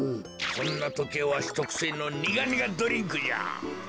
そんなときはわしとくせいのニガニガドリンクじゃ！